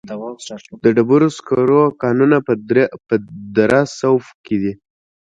د ډبرو سکرو کانونه په دره صوف کې دي